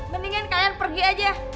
mendingan kalian pergi aja